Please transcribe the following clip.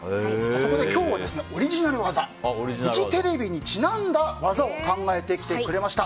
そこで今日は、オリジナル技フジテレビにちなんだ技を考えてきてくれました。